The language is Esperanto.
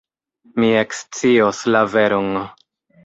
Mi ekscios la veron.